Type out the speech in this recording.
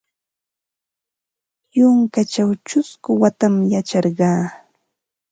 Yunkaćhaw ćhusku watam yacharqa.